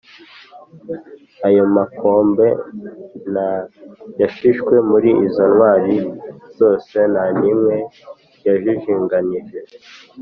ayo makombe nta yashishwe: muri izo ntwari zose nta n’imwe yajijinganije